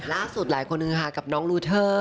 ล่าสุดหลายคนหนึ่งค่ะกับน้องรูเทอร์